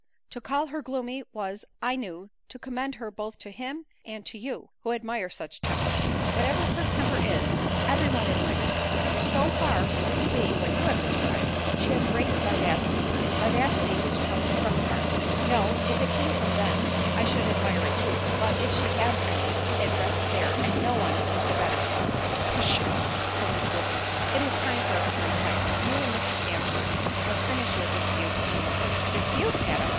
To call her gloomy, was, I knew, to commend her both to him and to you, who admire such tempers." "Whatever her temper is, every one admires it; and so far from its being what you have described, she has great vivacity; vivacity which comes from the heart." "No, if it came from thence, I should admire it too; but, if she has any, it rests there, and no one is the better for it." "Pshaw!" said Miss Woodley, "it is time for us to retire; you and Mr. Sandford must finish your dispute in the morning." "Dispute, Madam!"